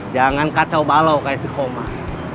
jangan kacau balau kaya si komar